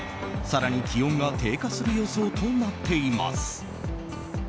更に気温が低下する予想となっています。